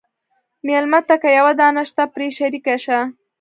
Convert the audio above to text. مېلمه ته که یوه دانه شته، پرې شریک شه.